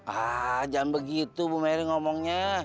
ah jam begitu bu meri ngomongnya